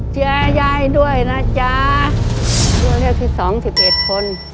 ยายด้วยนะจ๊ะตัวเลือกที่สองสิบเอ็ดคน